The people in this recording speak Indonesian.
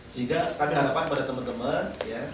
sehingga kami harapkan pada teman teman